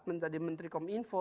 menjadi menteri kominfo